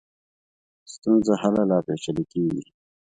ستونزه هله لا پېچلې کېږي.